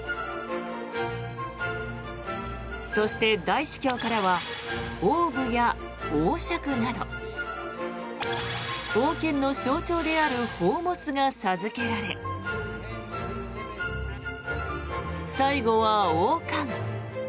そして、大司教からはオーブや王しゃくなど王権の象徴である宝物が授けられ最後は、王冠。